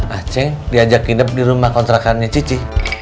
acing diajak ngindep di rumah kontrakan cici